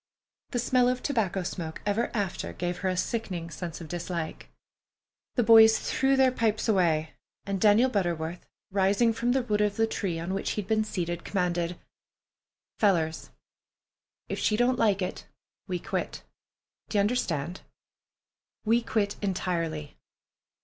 The smell of tobacco smoke ever after gave her a sickening sense of dislike. The boys threw their pipes away, and Daniel Butterworth, rising from the root of the tree on which he had been seated, commanded: "Fellers, if she don't like it, we quit! D'ye understand? We quit entirely.